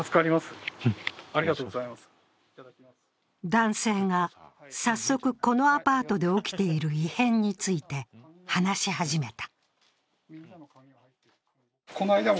男性が早速、このアパートで起きている異変について話し始めた。